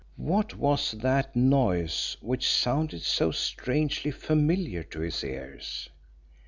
What was that noise which sounded so strangely familiar to his ears?